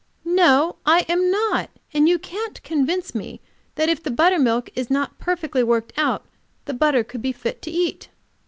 "No, I am not. And you can't convince me that if the buttermilk is not perfectly worked out, the butter could be fit to eat."